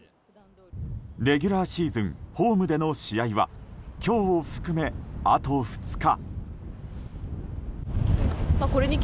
レギュラーシーズン、ホームでの試合は強を含めあと２日。